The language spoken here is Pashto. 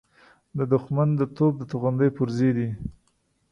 د دښمن د توپ د توغندۍ پرزې دي.